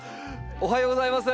おはようございます。